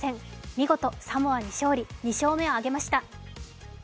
見事サモアに勝利、２勝目を挙げました。